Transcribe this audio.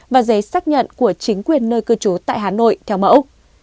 và giấy xác nhận của chính quyền nơi cư trú tại hà nội theo mẫu